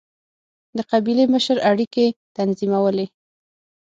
د قبیلې مشر اړیکې تنظیمولې.